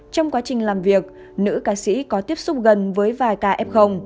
trong quá trình làm việc nữ ca sĩ có tiếp xúc gần với vài ca f